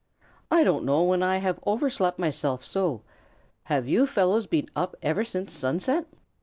I don't know when I have overslept myself so. Have you fellows been up ever since sunset?"